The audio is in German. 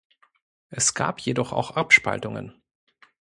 Es gab jedoch auch Abspaltungen.